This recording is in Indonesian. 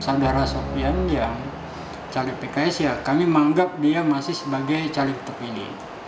saudara sofian yang caleg pks ya kami menganggap dia masih sebagai caleg terpilih